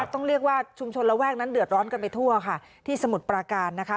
ต้องเรียกว่าชุมชนระแวกนั้นเดือดร้อนกันไปทั่วค่ะที่สมุทรปราการนะคะ